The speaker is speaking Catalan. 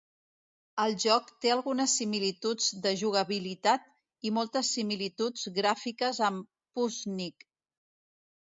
El joc té algunes similituds de jugabilitat i moltes similituds gràfiques amb "Puzznic".